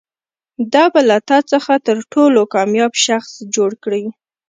دا به له تا څخه تر ټولو کامیاب شخص جوړ کړي.